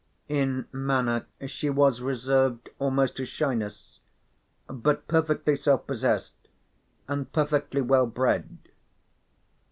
In manner she was reserved almost to shyness, but perfectly self possessed, and perfectly well bred.